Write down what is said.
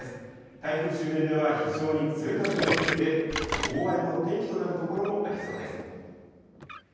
台風周辺では非常に強い風も吹いて大荒れの天気となる所もありそうです。